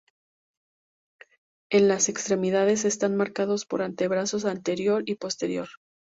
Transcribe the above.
En las extremidades están marcados los antebrazos anterior y posterior.